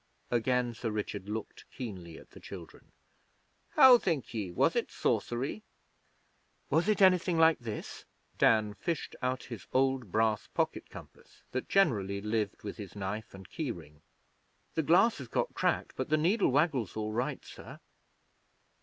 Again Sir Richard looked keenly at the children. 'How think ye? Was it sorcery?' 'Was it anything like this?' Dan fished out his old brass pocket compass, that generally lived with his knife and key ring. 'The glass has got cracked, but the needle waggles all right, sir.'